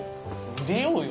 出ようよ。